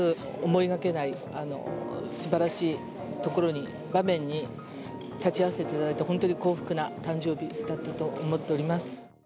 思いがけない、すばらしいところに、場面に立ち会わせていただいて、本当に幸福な誕生日だったと思っております。